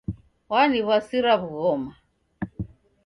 W'aniw'asira w'ughoma